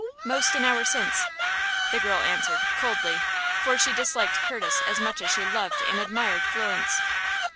"Most an hour since," the girl answered, coldly, for she disliked Curtis as much as she loved and admired Florence.